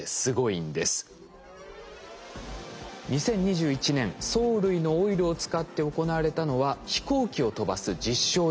２０２１年藻類のオイルを使って行われたのは飛行機を飛ばす実証実験です。